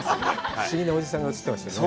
不思議なおじさんが映ってましたね。